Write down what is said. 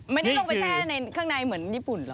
ไม่ได้ลงไปแช่ในข้างในเหมือนญี่ปุ่นหรอ